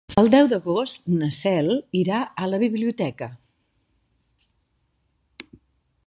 El deu d'agost na Cel irà a la biblioteca.